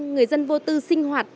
người dân vô tư sinh hoạt